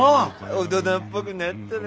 大人っぽくなったな。